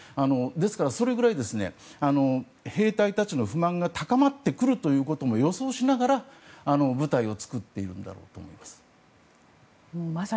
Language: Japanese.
ですからそれぐらい兵隊たちの不満が高まってくることも予想しながら部隊を作っているんだろうと思います。